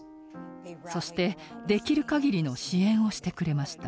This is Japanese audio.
そしてできるかぎりの支援をしてくれました。